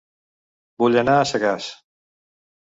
Vull anar a Sagàs